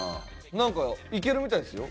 何か行けるみたいですよ